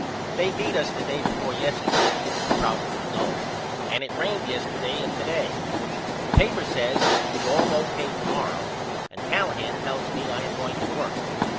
They beat us the day before yesterday as you probibly know and it rained yesterday and to day. The papers says it will be all O.K. to morrow and Callahan tells me I am going to work.